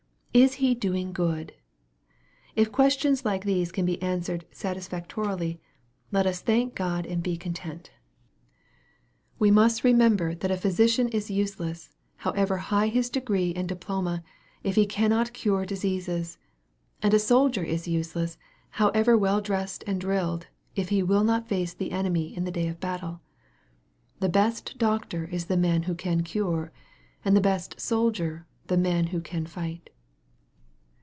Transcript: Is he doing good ?" If questions like these can be answered Batisfactorily, let us thank God and be content. We MARK, CHAP. XI. 245 must remember that a physician is useless, however high his degree and diploma, if he cannot cure diseases, and a soldier useless, however well dressed and drilled, if he will not face the enemy in the day of battle. The best doctor is the man who can cure, and the best soldier the man who can fight.